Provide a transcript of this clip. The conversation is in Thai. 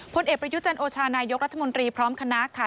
พลเอกประยุจันโอชานายกรัฐมนตรีพร้อมคณะค่ะ